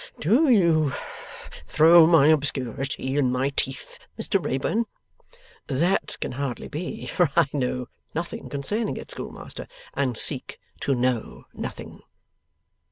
'Do you throw my obscurity in my teeth, Mr Wrayburn?' 'That can hardly be, for I know nothing concerning it, Schoolmaster, and seek to know nothing.